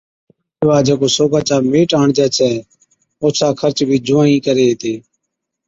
اوکن سِوا جڪو سوگا چا ميٽ آڻجَي ڇَي اوڇا خرچ بِي جُونوائِي (نِياڻي سِياڻي) ڪري ھِتي